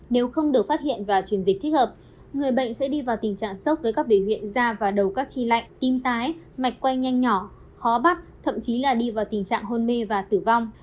nếu không được phát hiện và truyền dịch thích hợp người bệnh sẽ đi vào tình trạng sốc với các biểu hiện da và đầu các chi lạnh tim tái mạch quay nhanh nhỏ khó bắt thậm chí là đi vào tình trạng hôn mê và tử vong